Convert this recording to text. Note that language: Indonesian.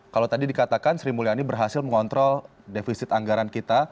kalau tadi dikatakan sri mulyani berhasil mengontrol defisit anggaran kita